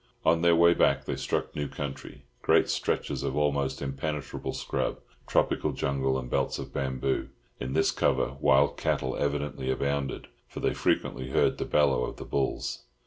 On their way back they struck new country, great stretches of almost impenetrable scrub, tropical jungle, and belts of bamboo. In this cover wild cattle evidently abounded, for they frequently heard the bellow of the bulls.